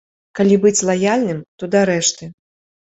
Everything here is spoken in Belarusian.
Калі быць лаяльным, то да рэшты.